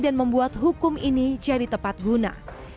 dan membuat hukum ini jadi tepat guna